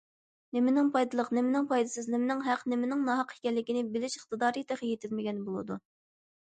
نېمىنىڭ پايدىلىق، نېمىنىڭ پايدىسىز، نېمىنىڭ ھەق، نېمىنىڭ ناھەق ئىكەنلىكىنى بىلىش ئىقتىدارى تېخى يېتىلمىگەن بولىدۇ.